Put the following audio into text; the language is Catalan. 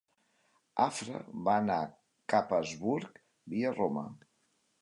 Afra va anar cap Augsburg, via Roma.